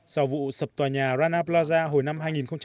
sau vụ sập tòa nhà rana plaza hồi năm hai nghìn một mươi ba